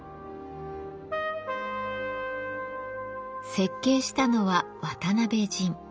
設計したのは渡辺仁。